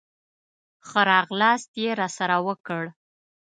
ښه راغلاست یې راسره وکړ.